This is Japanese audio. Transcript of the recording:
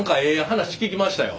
話聞きましたよ。